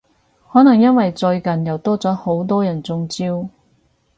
可能因為最近又多咗好多人中招？